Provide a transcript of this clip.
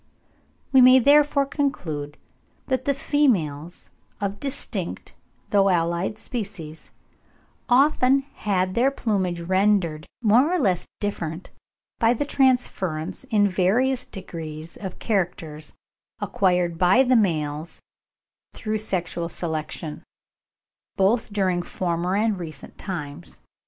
We may therefore conclude that the females of distinct though allied species have often had their plumage rendered more or less different by the transference in various degrees of characters acquired by the males through sexual selection, both during former and recent times.